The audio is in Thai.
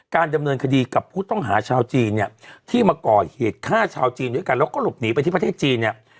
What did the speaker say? ดำเนินคดีกับผู้ต้องหาชาวจีนเนี่ยที่มาก่อเหตุฆ่าชาวจีนด้วยกันแล้วก็หลบหนีไปที่ประเทศจีนเนี่ย